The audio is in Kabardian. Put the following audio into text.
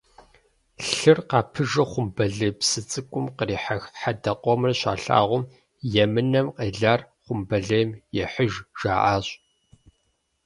Лъыр къапыжу Хъумбылей псы цӀыкӀум кърихьэх хьэдэ къомыр щалъагъум «Емынэм къелар хъумбылейм ехьыж» жаӏащ.